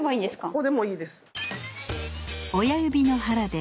ここでもいいです。